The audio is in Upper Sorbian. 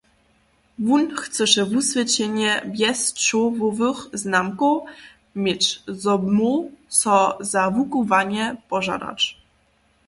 Wón chcyše wuswědčenje bjez čołowych znamkow měć, zo móhł so za wukubłanje požadać.